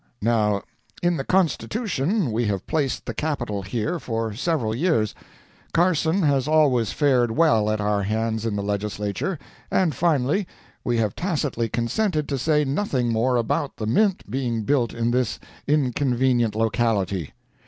Now in the Constitution, we have placed the Capital here for several years; Carson has always fared well at our hands in the legislature, and finally, we have tacitly consented to say nothing more about the Mint being built in this inconvenient locality.